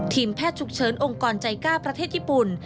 แพทย์ฉุกเฉินองค์กรใจกล้าประเทศญี่ปุ่น